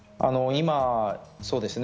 そうですね。